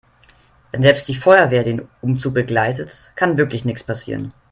Wenn selbst die Feuerwehr den Umzug begleitet, kann wirklich nichts passieren.